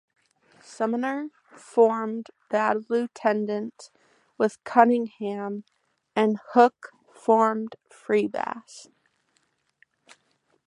Sumner formed Bad Lieutenant with Cunningham, and Hook formed Freebass.